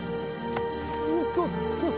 おっとっと！